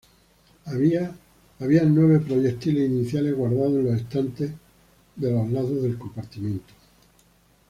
Habían nueve proyectiles iniciales guardados en los estantes de los lados del compartimiento.